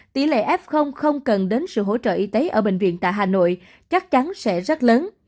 tỷ lệ f không cần đến sự hỗ trợ y tế ở bệnh viện tại hà nội chắc chắn sẽ rất lớn